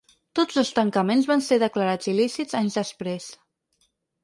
Tots dos tancaments van ser declarats il·lícits anys després.